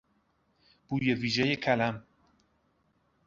بوی ویژهی کلم